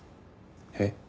えっ。